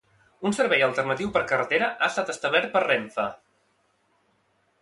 Un servei alternatiu per carretera ha estat establert per Renfe.